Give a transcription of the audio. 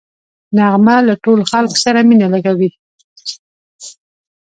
نغمه له ټولو خلکو سره مینه کوي